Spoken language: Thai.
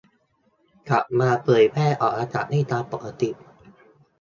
กลับมาเผยแพร่ออกอากาศได้ตามปกติ